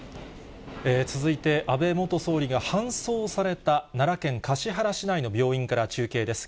続いて、安倍元総理が搬送された奈良県橿原市内の病院から中継です。